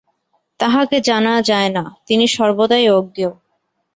তাঁহাকে জানা যায় না, তিনি সর্বদাই অজ্ঞেয়।